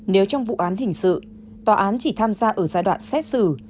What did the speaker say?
nếu trong vụ án hình sự tòa án chỉ tham gia ở giai đoạn xét xử